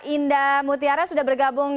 indah mutiara sudah bergabung